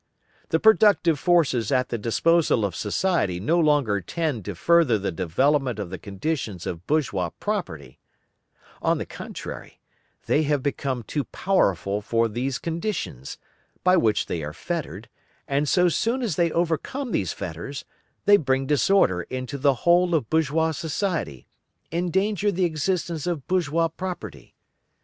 The productive forces at the disposal of society no longer tend to further the development of the conditions of bourgeois property; on the contrary, they have become too powerful for these conditions, by which they are fettered, and so soon as they overcome these fetters, they bring disorder into the whole of bourgeois society, endanger the existence of bourgeois property.